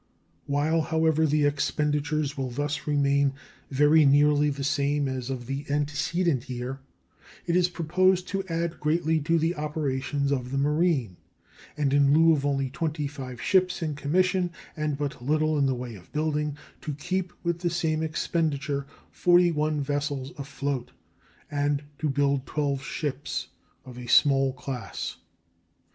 While, however, the expenditures will thus remain very nearly the same as of the antecedent year, it is proposed to add greatly to the operations of the marine, and in lieu of only 25 ships in commission and but little in the way of building, to keep with the same expenditure 41 vessels afloat and to build 12 ships of a small class.